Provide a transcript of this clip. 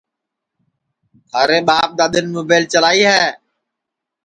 تھارے ٻاپ دؔادؔین مُبیل چلائی ہے